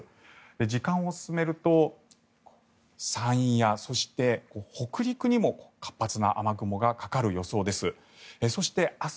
時間を進めると、山陰や北陸にも活発な雨雲がかかる予想です。